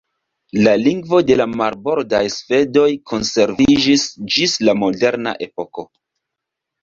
La lingvo de la marbordaj svedoj konserviĝis ĝis la moderna epoko.